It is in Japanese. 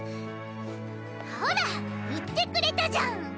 ほら言ってくれたじゃん！